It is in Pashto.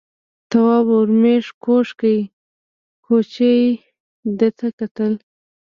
تواب ور مېږ کوږ کړ، کوچي ده ته کتل.